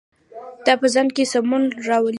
دا په ځان کې سمون راولي.